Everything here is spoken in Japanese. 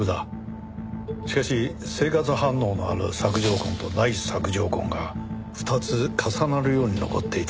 しかし生活反応のある索条痕とない索条痕が２つ重なるように残っていた。